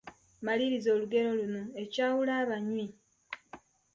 Maliriza olugero luno: Ekyawula abanywi, …..